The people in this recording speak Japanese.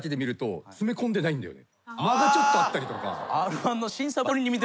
間がちょっとあったりとか。